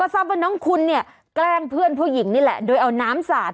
ทราบว่าน้องคุณเนี่ยแกล้งเพื่อนผู้หญิงนี่แหละโดยเอาน้ำสาด